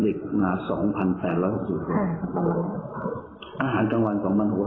เด็กมา๒๘๖๖ชาติครับอาหารทั้งวันให้คุณ